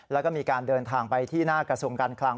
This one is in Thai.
แล้วก็มีการเดินทางไปที่หน้ากระทรวงการคลัง